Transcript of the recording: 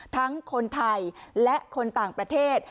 ทั้งคนไทยและคนต่างประเทศ